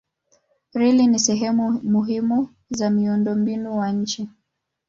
Reli ni sehemu muhimu za miundombinu wa nchi.